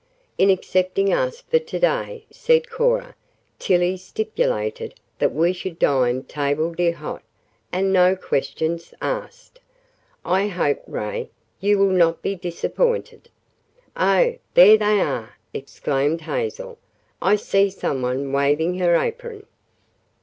"In accepting us for to day," said Cora. "Tillie stipulated that we should dine table d'hote and no questions asked. I hope, Ray, you will not be disappointed." "Oh, there they are!" exclaimed Hazel. "I see some one waving her apron!"